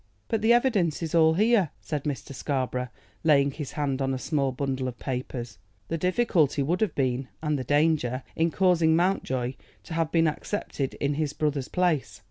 "But the evidence is all here," said Mr. Scarborough, laying his hand on a small bundle of papers. "The difficulty would have been, and the danger, in causing Mountjoy to have been accepted in his brother's place.